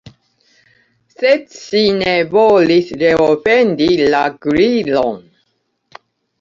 Sed ŝi ne volis reofendi la Gliron.